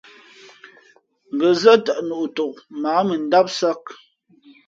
Ngα̌ zά tαʼ noʼ tok mα ǎ mʉndámsāk.